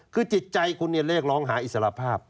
คือจิตใจคุณเรียกร้องหาอิสระภาพ